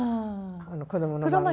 こどもの番組で。